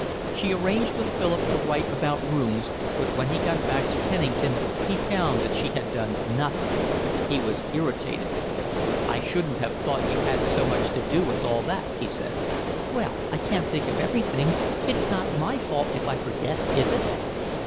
She arranged with Philip to write about rooms, but when he got back to Kennington he found that she had done nothing. He was irritated. "I shouldn't have thought you had so much to do as all that," he said. "Well, I can't think of everything. It's not my fault if I forget, is it?"